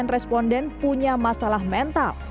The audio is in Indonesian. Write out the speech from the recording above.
enam puluh sembilan responden punya masalah mental